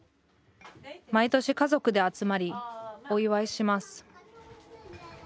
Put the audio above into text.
毎年家族で集まりお祝いします